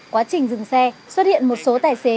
quá trình dừng xe xuất hiện một số tài xế